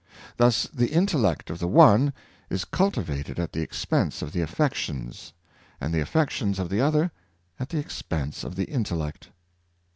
Thus the intellect of the one is cultivated at the expense of the affections, and the affections of the other at the expense of the intellect.